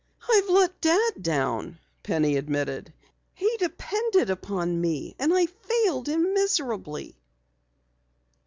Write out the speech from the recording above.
"I've let Dad down," Penny admitted. "He depended upon me and I failed him dismally."